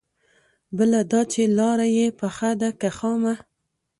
بله دا چې لاره يې پخه ده که خامه؟